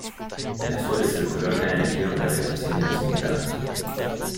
El azul es el color que han elegido para la habitación de los invitados.